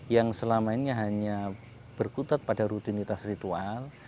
yang selama ini hanya berkutat pada rutinitas ritual